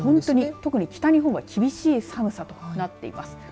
特に北日本は厳しい寒さとなっています。